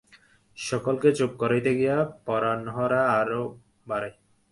সকলকে চুপ করাইতে গিয়া পরাণহরা আরও বাড়ায়।